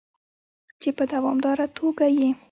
چې په دوامداره توګه یې